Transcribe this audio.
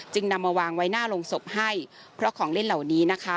นำมาวางไว้หน้าโรงศพให้เพราะของเล่นเหล่านี้นะคะ